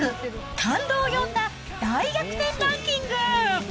感動を呼んだ大逆転ランキング。